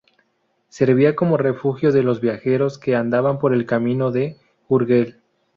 Servía como refugio de los viajeros que andaban por el camino de Urgel.